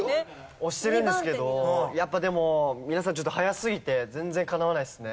押してるんですけどやっぱでも皆さんちょっと早すぎて全然かなわないですね。